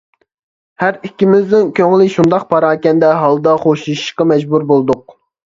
ھەر ئىككىمىزنىڭ كۆڭلى شۇنداق پاراكەندە ھالدا خوشلىشىشقا مەجبۇر بولدۇق.